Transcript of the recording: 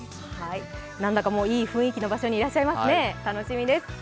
なんだかもう、いい雰囲気のところにいらっしゃいますね楽しみです。